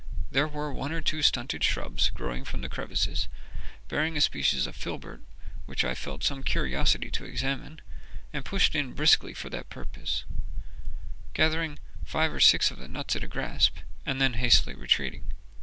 There were one or two stunted shrubs growing from the crevices, bearing a species of filbert which I felt some curiosity to examine, and pushed in briskly for that purpose, gathering five or six of the nuts at a grasp, and then hastily retreating.